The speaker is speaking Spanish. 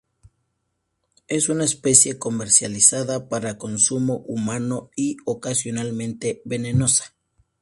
Es una especie comercializada para consumo humano, y, ocasionalmente venenosa.